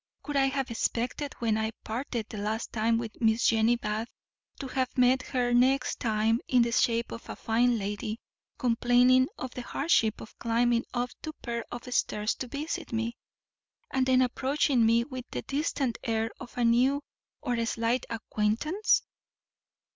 Could I have expected, when I parted the last time with Miss Jenny Bath, to have met her the next time in the shape of a fine lady, complaining of the hardship of climbing up two pair of stairs to visit me, and then approaching me with the distant air of a new or a slight acquaintance?